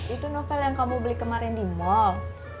itu novel yang kamu beli kemarin di mall